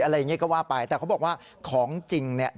อะไรอย่างนี้ก็ว่าไปแต่เขาบอกว่าของจริงเนี่ย